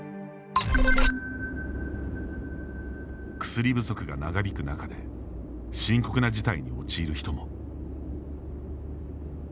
薬不足が長引く中で深刻な事態に陥る人も。